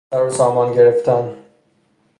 سر و سامان گرفتن